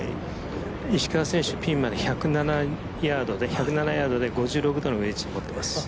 石川選手、ピンまで１０７ヤードで５６度のウェッジを持ってます。